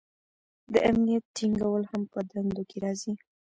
د امنیت ټینګول هم په دندو کې راځي.